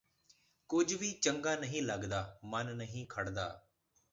ਕੁਝ ਵੀ ਚੰਗਾ ਨਹੀਂ ਲੱਗਦਾ ਮਨ ਨਹੀਂ ਖੜਦਾ